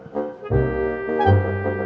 senyum apa sih kum